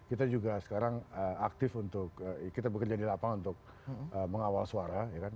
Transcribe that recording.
dan kita juga sekarang aktif untuk kita bekerja di lapangan untuk mengawal suara ya kan